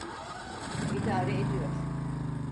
İdare ediyor.